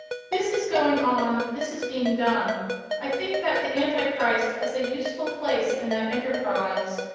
This is going on; this is being done. I think that "The Antichrist" has a useful place in that enterprise.